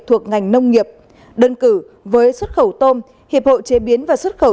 thuộc ngành nông nghiệp đơn cử với xuất khẩu tôm hiệp hội chế biến và xuất khẩu